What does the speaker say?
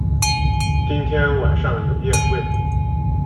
今天晚上有宴会